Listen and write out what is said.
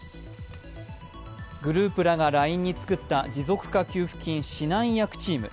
グループらがＬＩＮＥにつくった持続化給付金指南役チーム。